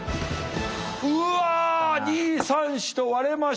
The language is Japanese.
うわ２３４と割れました。